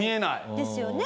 ですよね。